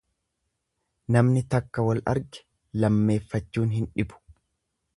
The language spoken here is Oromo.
Namni takka wal arge lammeeffachuun hin dhibu.